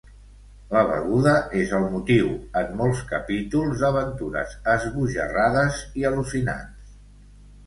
La beguda és el motiu en molts capítols d'aventures esbojarrades i al·lucinants.